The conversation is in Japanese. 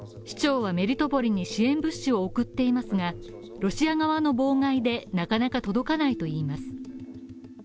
市長はメリトポリに支援物資を送っていますがロシア側の妨害でなかなか届かないといいます